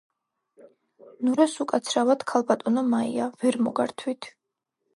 ნურასუკაცრავად ქალბატონო მაია! ვერ მოგართვით!